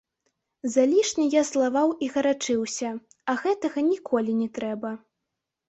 Залішне я злаваў і гарачыўся, а гэтага ніколі не трэба.